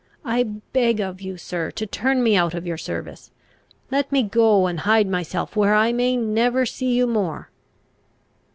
I beg of you, sir, to turn me out of your service. Let me go and hide myself where I may never see you more."